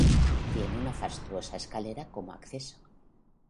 Tiene una fastuosa escalera como acceso.